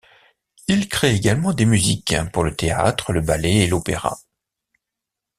Il crée également des musiques pour le théâtre, le ballet et l'opéra.